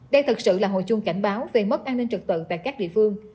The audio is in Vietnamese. đây thật sự là hội chung cảnh báo về mất an ninh trực tự tại các địa phương